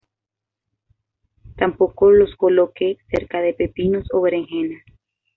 Tampoco los coloque cerca de pepinos o berenjenas.